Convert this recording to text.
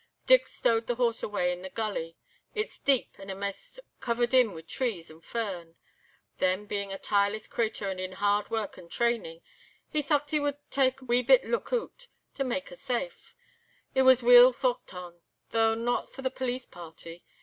Dick stowed the horse away in the gulley. It's deep, and amaist covered in wi' trees and fern. Then being a tireless crater and in hard work and training, he thocht he would tak' a wee bit look oot, to make a' safe. It was weel thocht on—though not for the police party.